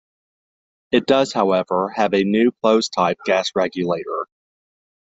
It does, however, have a new closed-type gas regulator.